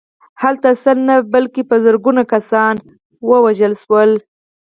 هلته سل نه بلکې په زرګونه کسان ووژل شول